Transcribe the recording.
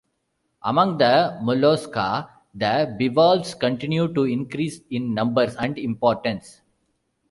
Among the mollusca, the bivalves continue to increase in numbers and importance.